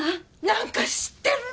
なんか知ってるの？